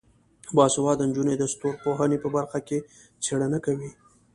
باسواده نجونې د ستورپوهنې په برخه کې څیړنه کوي.